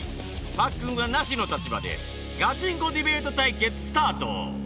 パックンは「ナシ」の立場でガチンコディベート対決スタート